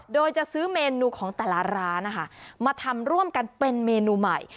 โดยจะซื้อเมนูของแต่ละร้านนะคะมาทำร่วมกันเป็นเมนูใหม่